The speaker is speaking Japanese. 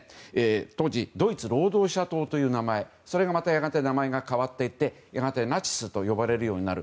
当時、ドイツ労働者党という名前それがまたやがて名前が変わってやがてナチスと呼ばれるようになる。